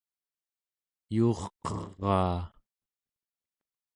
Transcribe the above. yuurqeraa